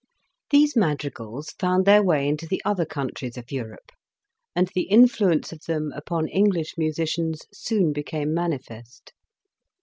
These madrigals found their way into the other countries of Europe, and the influence of them upon English musicians soon became manifest.